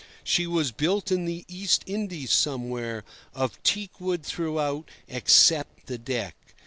She was built in the East Indies somewhere, of teak wood throughout, except the deck.